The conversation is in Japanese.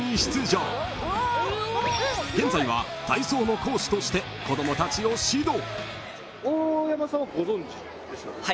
［現在は体操の講師として子供たちを指導］